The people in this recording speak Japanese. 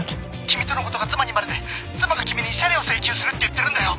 君とのことが妻にバレて妻が君に慰謝料請求するって言ってるんだよ。